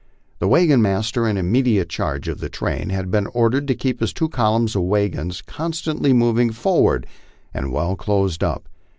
The wagon master in immediate charge of the train had been ordered to keep his two columns of wagons constantly moving forward and well closed up.